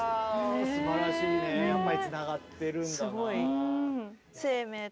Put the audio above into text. あすばらしいねやっぱりつながってるんだな。